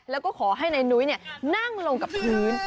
แล้วก็ขอให้นายนุ้ยนั่งลงกับพื้น